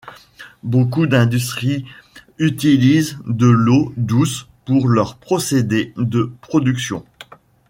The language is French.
Beaucoup d'industries utilisent de l'eau douce pour leurs procédés de production.